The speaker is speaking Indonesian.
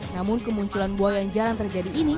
namun kemunculan buaya yang jarang terjadi ini